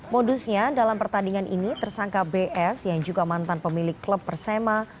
modusnya dalam pertandingan ini tersangka bs yang juga mantan pemilik klub persema